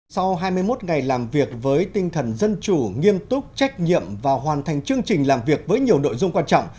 sau hai mươi một ngày làm việc với tinh thần dân chủ nghiêm túc trách nhiệm và hoàn thành chương trình làm việc với nhiều nội dung quan trọng